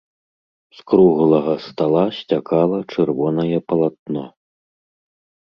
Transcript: З круглага стала сцякала чырвонае палатно.